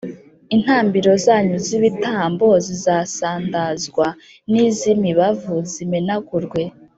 Intambiro zanyu z’ibitambo zizasandazwa, n’iz’imibavu zimenagurwe